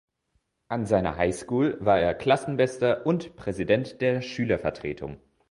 An seiner High School war er Klassenbester und Präsident der Schülervertretung.